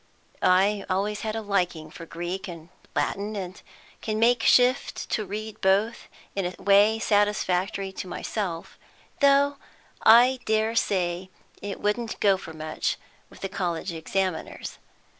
I had always a liking for Greek and Latin and can make shift to read both in a way satisfactory to myself, though I dare say it wouldn't go for much with college examiners.